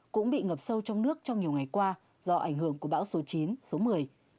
cũng bị ngập sâu trong nước trong nhiều ngày qua do ảnh hưởng của bão số chín số một mươi